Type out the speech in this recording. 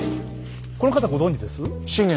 この方ご存じです？